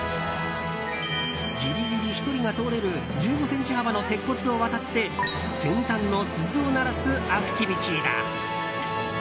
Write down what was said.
ギリギリ１人が通れる１５ｃｍ幅の鉄骨を渡って先端の鈴を鳴らすアクティビティーだ。